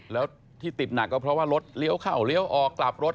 แล้วที่ติดหนักก็เพราะว่ารถเลี้ยวเข้าเลี้ยวออกกลับรถ